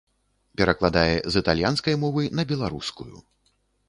Перакладае з італьянскай мовы на беларускую.